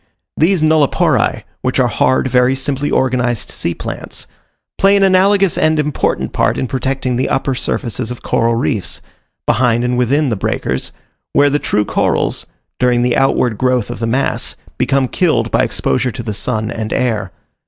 These nulliporae, which are hard, very simply organized sea plants, play an analogous and important part in protecting the upper surfaces of coral reefs, behind and within the breakers, where the true corals, during the outward growth of the mass, become killed by exposure to the sun and air.